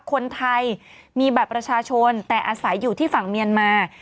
คนไทยมีบัตรประชาชนแต่อาศัยอยู่ที่ฝั่งเมียนมา